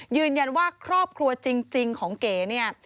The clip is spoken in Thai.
ยืนยันว่าครอบครัวจริงของเก๋เนี่ย